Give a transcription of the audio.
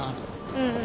うん。